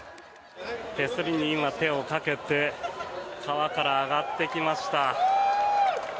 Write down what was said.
手すりに今、手をかけて川から上がってきました。